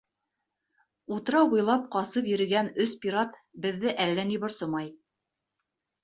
Утрау буйлап ҡасып йөрөгән өс пират беҙҙе әллә ни борсомай.